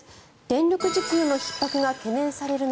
電力需給のひっ迫が懸念される